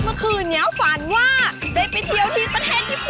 เมื่อคืนนี้ฝันว่าได้ไปเที่ยวที่ประเทศญี่ปุ่น